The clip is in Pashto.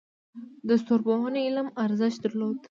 د ستورپوهنې علم ارزښت درلود